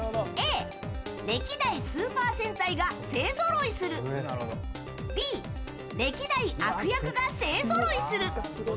Ａ、歴代スーパー戦隊が勢ぞろいするＢ、歴代悪役が勢ぞろいする。